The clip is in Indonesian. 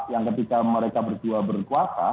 yang ketika mereka berdua berkuasa